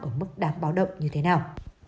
ở mức đáng báo động như thế nào